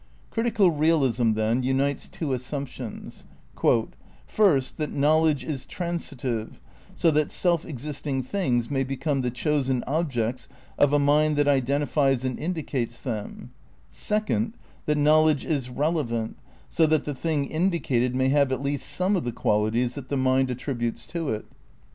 Critical realism, then, unites two assumptions : "first, that knowledge is transitive, so that self existing things may become the chosen objects of a mind that identifies and indicates them ; second, that knowledge is relevant, so that the thing indicated may have at least some of the qualities that the mind attributes to it."